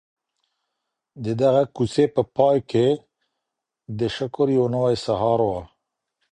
د دغي کوڅې په پای کي د شکر یو نوی سهار و.